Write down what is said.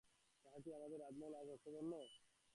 তাই কি আমাদের রাজমহল আজ রক্তবর্ণ?